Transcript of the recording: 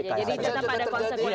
jadi tetap ada konsekuensinya